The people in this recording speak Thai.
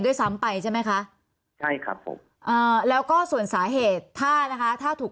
ด้วยซ้ำไปใช่ไหมคะใช่ครับผมอ่าแล้วก็ส่วนสาเหตุถ้านะคะถ้าถูก